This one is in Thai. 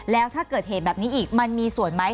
แล้วถ้าเกิดเหตุแบบนี้อีกมันมีส่วนไหม